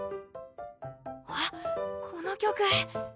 あっこの曲。